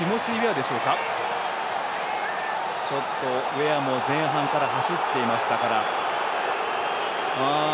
ウェアも前半から走っていましたから。